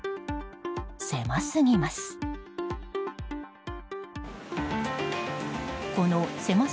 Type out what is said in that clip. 狭すぎます。